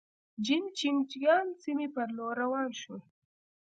جین چنګ جیانګ سیمې پر لور روان شوو.